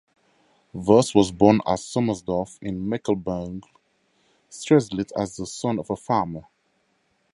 Voss was born at Sommersdorf in Mecklenburg-Strelitz as the son of a farmer.